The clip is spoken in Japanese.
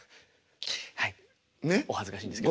はいお恥ずかしいんですけど。